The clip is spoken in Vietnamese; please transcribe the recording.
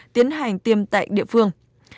tiến hành tiêm tại địa phương